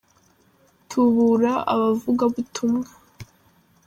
Tubura abavugabutumwa